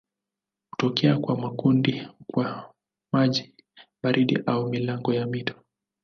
Hutokea kwa makundi kwa maji baridi au milango ya mito.